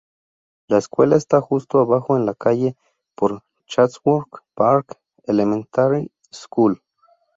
La escuela está justo abajo en la calle por Chatsworth Park Elementary School.